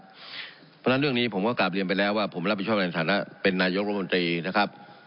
เพราะฉะนั้นเรื่องนี้ผมก็กลับเรียนไปแล้วว่าผมรับผิดชอบในฐานะเป็นนายกรมนตรีนะครับ